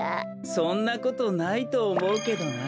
そんなことないとおもうけどな。